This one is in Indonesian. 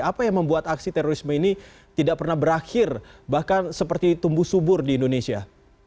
apa yang membuat aksi terorisme ini tidak pernah berakhir bahkan seperti tumbuh subur di indonesia